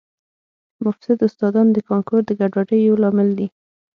مفسد استادان د کانکور د ګډوډۍ یو لامل دي